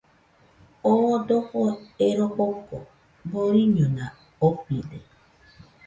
Oo dofo ero joko boriñona ofide.